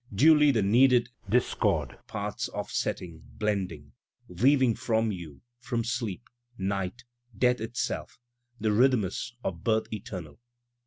Duly the needed disoord parts offsetting, blending. Weaving from you, from Sleep, Night, Death itself. The rhythmus of Birth Eternal.